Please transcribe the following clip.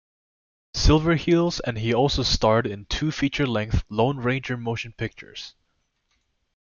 Silverheels and he also starred in two feature-length "Lone Ranger" motion pictures.